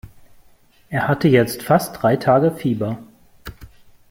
Er hatte jetzt fast drei Tage Fieber.